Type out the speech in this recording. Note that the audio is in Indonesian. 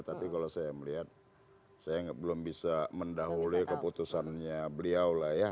tapi kalau saya melihat saya belum bisa mendahului keputusannya beliau lah ya